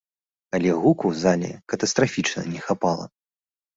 Але гуку зале катастрафічна не хапала.